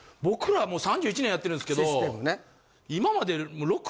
僕らもう３１年やってるんですけど今まで。